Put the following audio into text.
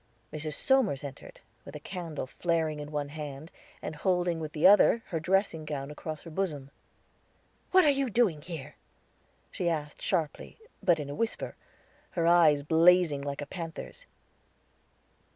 Mrs. Somers entered, with a candle flaring in one hand, and holding with the other her dressing gown across her bosom. "What are you doing here?" she asked harshly, but in a whisper, her eyes blazing like a panther's.